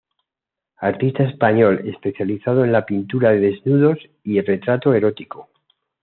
Artista español especializado en la pintura de desnudos y retrato erótico.